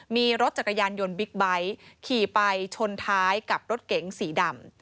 มีรถจักรยานยนต์บิ๊กไบท์ขี่ไปชนท้ายกับรถเก๋งสีดำ